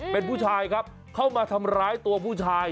เป็นผู้ชายครับเข้ามาทำร้ายตัวผู้ชาย